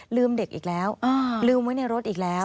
เด็กอีกแล้วลืมไว้ในรถอีกแล้ว